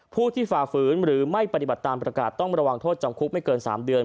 ผู้ที่ฝ่าฝืนหรือไม่ปฏิบัติตามประกาศต้องระวังโทษจำคุกไม่เกิน๓เดือน